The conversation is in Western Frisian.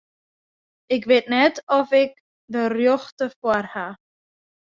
Ik wit net oft ik de rjochte foar haw.